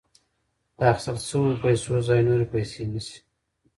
د اخیستل شویو پیسو ځای نورې پیسې نیسي